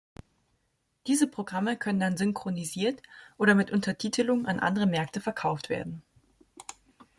Diese Programme können dann synchronisiert oder mit Untertitelung an andere Märkte verkauft werden.